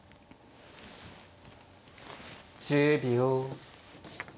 １０秒。